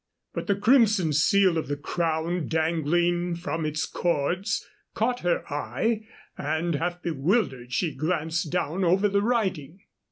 But the crimson seal of the crown, dangling from its cords, caught her eye, and, half bewildered, she glanced down over the writing.